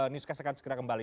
nisca seakan sekan kembali